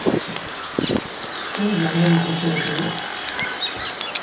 Anda ay tent-tewtemt?